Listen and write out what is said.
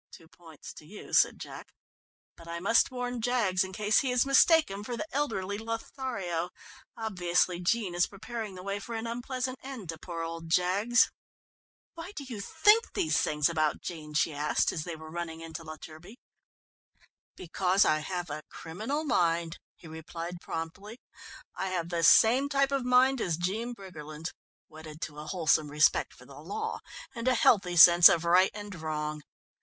"Two points to you," said Jack, "but I must warn Jaggs, in case he is mistaken for the elderly Lothario. Obviously Jean is preparing the way for an unpleasant end to poor old Jaggs." "Why do you think these things about Jean?" she asked, as they were running into La Turbie. "Because I have a criminal mind," he replied promptly. "I have the same type of mind as Jean Briggerland's, wedded to a wholesome respect for the law, and a healthy sense of right and wrong.